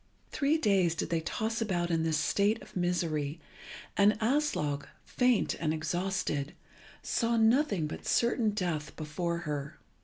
Three days did they toss about in this state of misery, and Aslog, faint and exhausted, saw nothing but certain death before her.